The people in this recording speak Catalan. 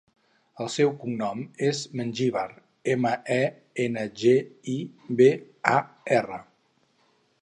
El seu cognom és Mengibar: ema, e, ena, ge, i, be, a, erra.